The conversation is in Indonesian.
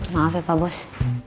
maaf ya pak bos